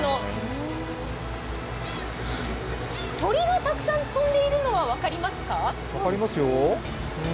鳥がたくさん飛んでいるのが分かりますか？